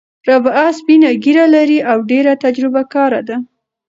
رابعه سپینه ږیره لري او ډېره تجربه کاره ده.